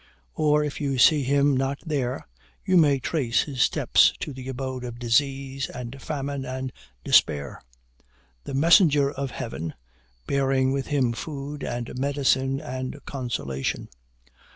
Or if you see him not there, you may trace his steps to the abode of disease, and famine, and despair; the messenger of Heaven bearing with him food, and medicine, and consolation.